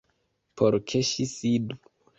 Por ke ŝi sidu.